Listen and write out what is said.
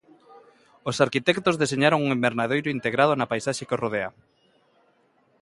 Os arquitectos deseñaron un invernadoiro integrado na paisaxe que os rodea.